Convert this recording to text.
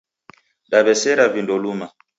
Daw'esera vindo luma